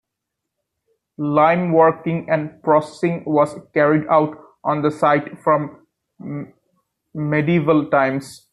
Lime working and processing was carried out on the site from medieval times.